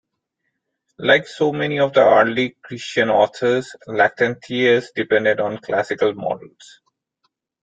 Like so many of the early Christian authors, Lactantius depended on classical models.